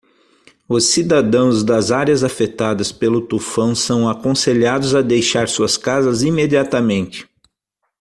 Os cidadãos das áreas afetadas pelo tufão são aconselhados a deixar suas casas imediatamente.